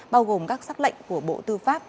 bao gồm các xác lệnh của bộ tư pháp